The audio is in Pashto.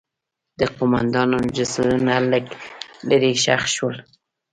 د قوماندانانو جسدونه لږ لرې ښخ شول.